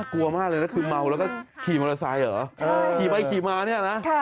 กลัวมากเลยนะคือเมาแล้วก็ขี่มอเตอร์ไซค์เหรอขี่ไปขี่มาเนี่ยนะ